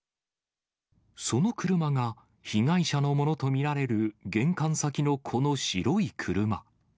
その車が被害者のものと見られる、玄関先のこの白い車。